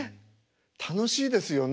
楽しいですよね。